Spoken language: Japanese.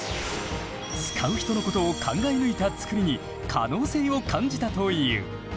使う人のことを考え抜いた作りに可能性を感じたという。